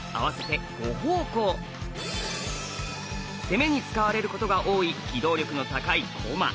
攻めに使われることが多い機動力の高い駒。